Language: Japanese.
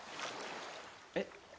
えっ？